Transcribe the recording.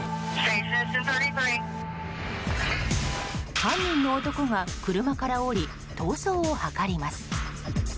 犯人の男が車から降り逃走を図ります。